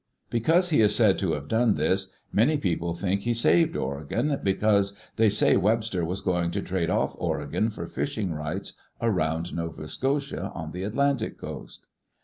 Because he is said to have done this, many people think he " saved Oregon," because they say Webster was going to trade off Oregon for fishing rights around Nova Scotia, on the Atlantic coast.